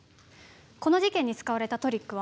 この事件に使われたトリックは？